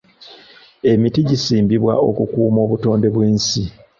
Emiti gisimbibwa okukuuma obutonde bw'ensi.